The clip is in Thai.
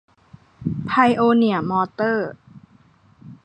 ไพโอเนียร์ มอเตอร์